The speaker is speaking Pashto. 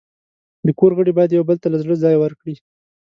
د کور غړي باید یو بل ته له زړه ځای ورکړي.